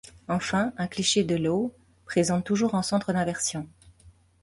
Enfin, un cliché de Laue présente toujours un centre d'inversion.